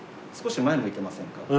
少し前向いてませんか？